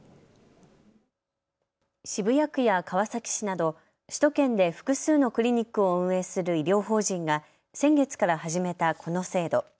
渋谷区や川崎市など首都圏で複数のクリニックを運営する医療法人が先月から始めたこの制度。